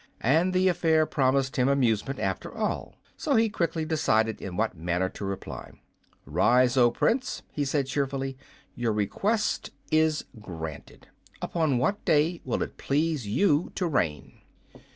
And the affair promised him amusement after all, so he quickly decided in what manner to reply. "Rise, oh Prince," he said, cheerfully, "your request is granted. Upon what day will it please you to reign?"